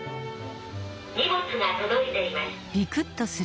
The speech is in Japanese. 「荷物が届いています」。